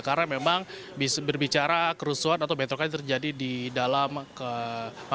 karena memang berbicara kerusuhan atau betulkan terjadi di dalam kemampuan